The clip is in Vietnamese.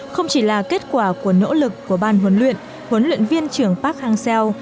không chỉ là kết quả của nỗ lực của ban huấn luyện huấn luyện viên trưởng park hang seo